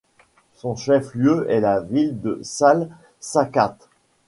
Son chef-lieu est la ville de Salsacate.